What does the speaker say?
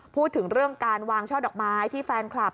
พูดถึงเรื่องการวางช่อดอกไม้ที่แฟนคลับ